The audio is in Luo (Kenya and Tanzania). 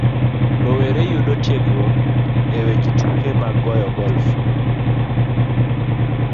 Rowere yudo tiegruok e weche tuke mag goyo golf